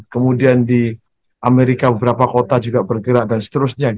kemudian di amerika beberapa kota juga bergerak dan seterusnya